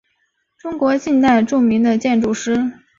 中国近代著名的建筑师。